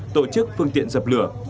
tổ chức phương tiện dập lửa